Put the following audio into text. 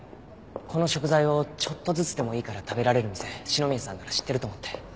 この食材をちょっとずつでもいいから食べられる店篠宮さんなら知ってると思って。